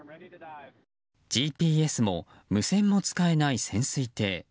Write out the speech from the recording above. ＧＰＳも無線も使えない潜水艇。